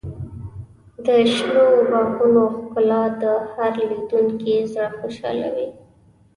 د شنو باغونو ښکلا د هر لیدونکي زړه خوشحالوي.